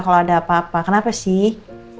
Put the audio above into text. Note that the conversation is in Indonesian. kalau ada apa apa kenapa sih